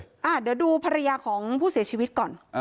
เดี๋ยวดูภรรยาของผู้เสียชีวิตก่อน